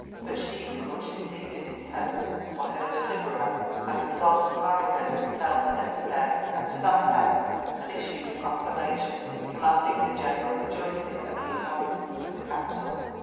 But she was much deceived in these hopes, for her deliverer had resolved to marry her himself the next day; and to that end had issued a proclamation, com manding the general rejoicing of the inhabitants of the capital.